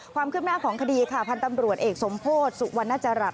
ความคืบหน้าของคดีค่ะพันธ์ตำรวจเอกสมโพธิสุวรรณจรัส